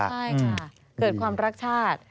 ใช่ค่ะเกิดความรักชาติ